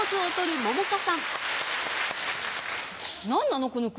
何なの？